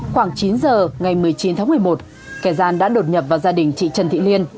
khoảng chín giờ ngày một mươi chín tháng một mươi một kẻ gian đã đột nhập vào gia đình chị trần thị liên